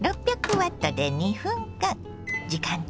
６００Ｗで２分間。